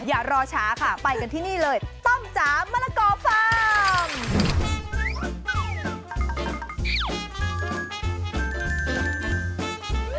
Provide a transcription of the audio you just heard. อย่ารอช้าค่ะไปกันที่นี่เลยต้มจ๋ามะละกอฟฟาร์ม